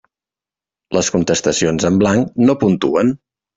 Les contestacions en blanc no puntuen.